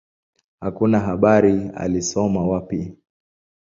Hakuna habari alisoma wapi.